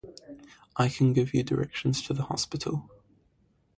I can give you drirections to the hospital.